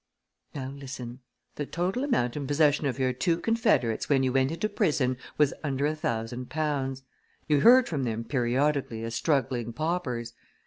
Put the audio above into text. "Now listen! The total amount in possession of your two confederates when you went into prison was under a thousand pounds. You heard from them periodically as struggling paupers.